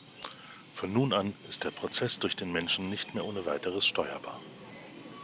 Von nun an ist der Prozess durch den Menschen nicht mehr ohne weiteres steuerbar.